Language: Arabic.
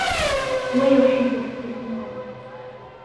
هو يحبك كثيرًا.